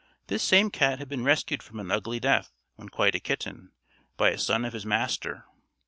This same cat had been rescued from an ugly death, when quite a kitten, by a son of his master.